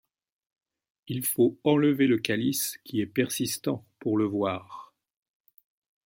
Il faut enlever le calice qui est persistant pour le voir.